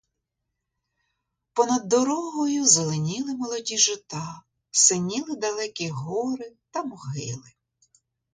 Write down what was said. Понад дорогою зеленіли молоді жита, синіли далекі гори та могили.